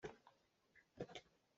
Fa phir kan ngei.